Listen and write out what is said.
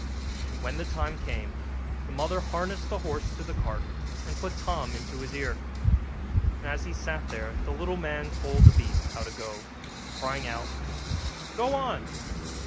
When the time came the mother harnessed the horse to the cart, and put Tom into his ear; and as he sat there the little man told the beast how to go, crying out, 'Go on!